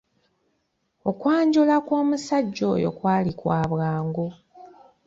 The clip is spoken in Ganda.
Okwanjula kw'omusajja oyo kwali kwa bwangu.